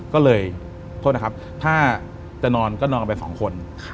ก็เลยโทษนะครับถ้าจะนอนก็นอนกันไปสองคน